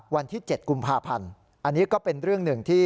วันที่๗กุมภาพันธ์อันนี้ก็เป็นเรื่องหนึ่งที่